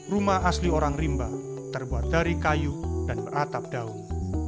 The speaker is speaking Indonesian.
rumah asli orang rimba terbuat dari kayu dan beratap daun